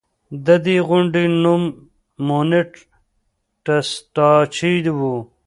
د دې غونډۍ نوم مونټ ټسټاچي و